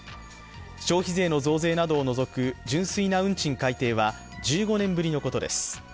消費税の増税などを除く純粋な運賃改定は１５年ぶりのことです。